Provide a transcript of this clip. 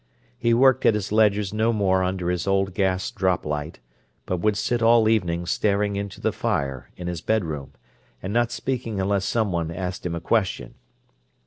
He worked at his ledgers no more under his old gas drop light, but would sit all evening staring into the fire, in his bedroom, and not speaking unless someone asked him a question.